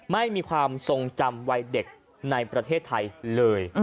ไม่มีความทรงจำวัยเด็กในประเทศไทยเลย